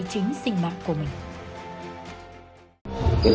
chính sinh mạng của mình